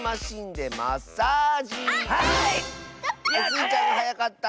スイちゃんがはやかった。